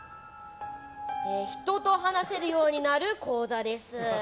人と話せるようになる講座です。